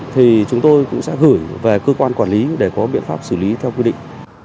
thì chúng tôi cũng sẽ gửi về cơ quan quản lý để có biện pháp xử lý theo quy định